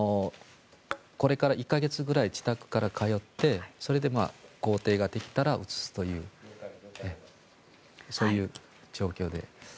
これから１か月ぐらい自宅から通ってそれで公邸ができたら移すというそういう状況で。